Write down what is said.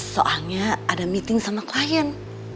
soalnya ada meeting sama klien